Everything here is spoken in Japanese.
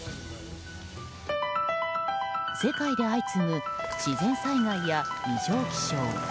世界で相次ぐ自然災害や異常気象。